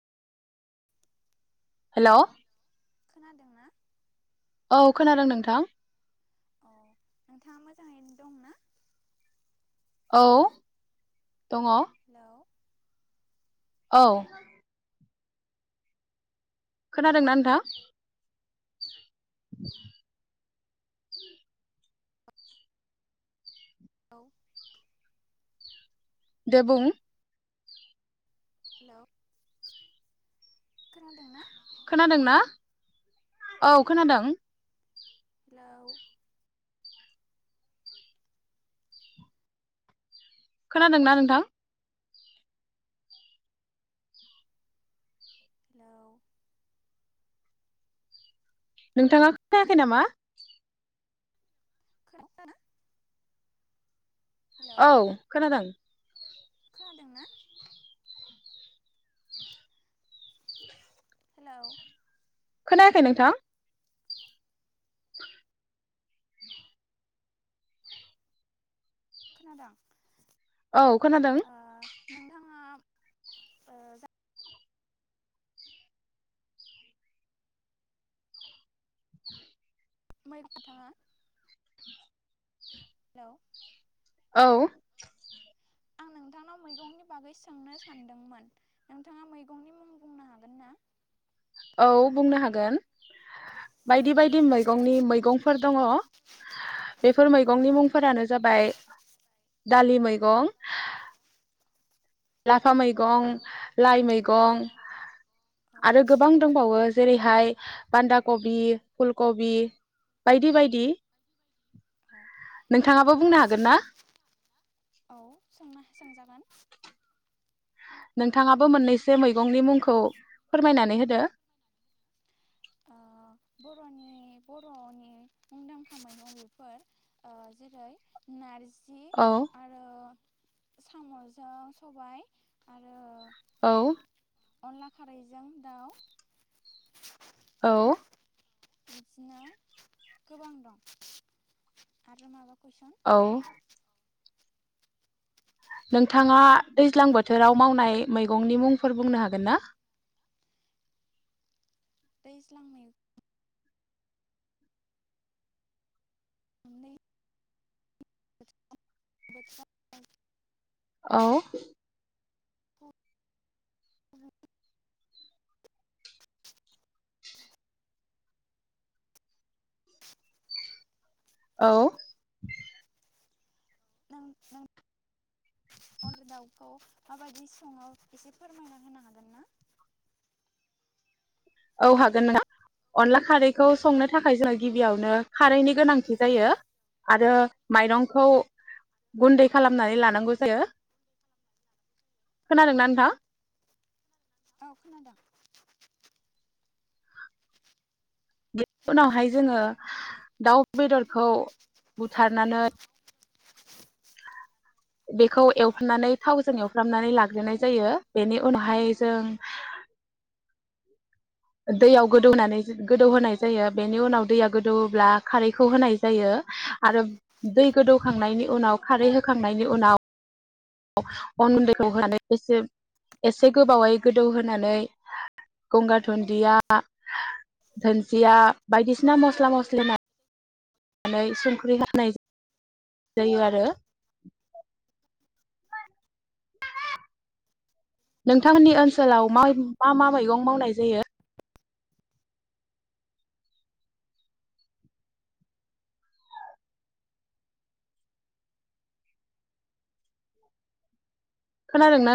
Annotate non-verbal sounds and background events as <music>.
Hello खोनादों ना? औ खोनादों नोंथां। औ नोंथाङा मोजाङै दं ना? औ दङ हेलौ औ खोनादोंना नोंथां? औ। देबुं हेलौ' खोनादों ना? खोनादों ना औ खोनादों। हेलौ। खोनादोंना नोंथां? हेलौ नोंथाङा खोनायाखै नामा? खोनादोंना? हेलौ औ खोनादों। खोनादोंना? हेलौ, खोनायाखै नोंथां? खोनादों। औ खोनादों। ओ नोंथाङा जा ओमफ्राय नोंथाङा? हेलौ, औ। आं नोंथांनाव मैगंनि बागै सोंनो सानदोंमोन नोंथाङा मैगंनि मुं बुंनो हागोन ना? औ बुंनो हागोन बायदि- बायदि मैगंनि मैगंफोर दङ बेफोर मैगंनि मुंफोरानो जाबाय दालि मैगं लाफा मैगं, लाइ मैगं औ औ आरो गोबां दंबावो। जेरैहाय बान्दा कबि, फुलकबि बायदि बायदि। औ नोंथाङाबो नोंथाङा बुंनो हागोन ना औ सोंनाया सोंजागोन। नोंथाङाबो मोननैसो मैगंनि मुंखौ फोरमायनानै होदो। बर'नि बर'नि मुंदांखा मैगंफोर जेरै नारजि, औ। आरो साम'जों सबाय आरो औ। अनला खारैजों दाउ, औ। बिदिनो गोबां दं आरो माबाखौ कुइसन? औ नोंथाङा दैज्लां बोथोराव मावनाय मैगंनि मुंफोर बुंनो हागोन ना? दैल्जां मै <unintelligible> औ। औ। नों अनला दाउखौ माबायदि सङो एसे फोरमायना होनो हागोन ना? औ हागोन नोंथा अनला खारैखौ संनो थाखाय जोङो गिबियावनो खारैनि गोनांथि जायो आरो माइरंखौ गुन्दै खालामनानै लानांगौ जायो। खोनादोंना नोंथां? औ खोनादों। बेनि हेलौ उनावहाय जोङो दाउ बेदरखौ बुथारनानै बेखौ एवफ्रामनानै थावजों एवफ्रामनानै लाग्रोनाय जायो बेनि उनावहाय जों दैयाव गोदौनानै गोदौहोनाय जायो। बेनि उनाव दैया गोदौ्ला खारैखौ होनाय जायो आरो दै गोदौखांनायनि उनाव खारै होखांनायनि उनाव अ'न गुन्दैखौ होनानै एसे एसे गोबावै गोदौहोनानै गंगार दुन्दिया, दुनदिया बायदिसिना मस्ला मस्लि होन नानै संख्रि होनाय जायो आरो। नोंथांमोननि ओनसोलाव मा मा मैगं मावनाय जायो? खोनादोंना?